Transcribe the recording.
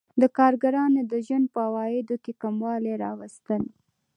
د کارګرانو د ژوند په عوایدو کې کموالی راوستل